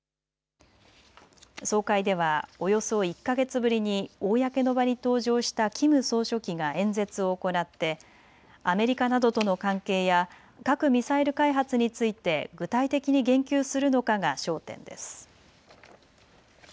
総会ではおよそ１か月ぶりに公の場に登場したキム総書記が演説を行ってアメリカなどとの関係や核・ミサイル開発について具体的に言及するのかが焦点です。